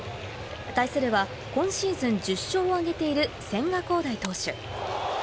対するは今シーズン１０勝を挙げている千賀滉大投手。